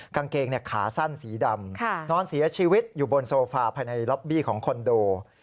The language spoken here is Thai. กางเกงขาสั้นสีดำนอนเสียชีวิตอยู่บนโซฟาภายในล็อบบี้ของคอนโด